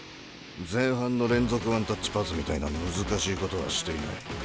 前半の連続ワンタッチパスみたいな難しいことはしていない。